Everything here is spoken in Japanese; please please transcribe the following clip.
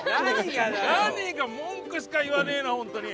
何が文句しか言わねえな本当に！